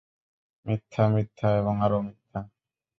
মিথ্যা, মিথ্যা এবং আরও মিথ্যা!